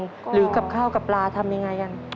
ก็ก็หรือกับข้าวกับปลาทำอย่างไรกัน